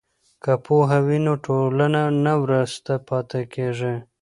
که پوهه وي نو ټولنه نه وروسته پاتې کیږي.